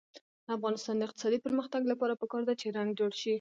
د افغانستان د اقتصادي پرمختګ لپاره پکار ده چې رنګ جوړ شي.